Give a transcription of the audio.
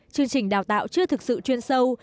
chương trình đào tạo chưa thực sự chuyên sâu